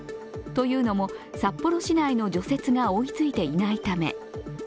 というのも、札幌市内の除雪が追いついていないため。